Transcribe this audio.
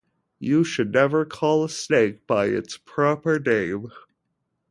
You should never call a snake by its proper name.